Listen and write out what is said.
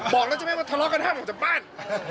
บอกแล้วใช่ไหมว่าทะเลาะกันห้ามออกจากบ้าน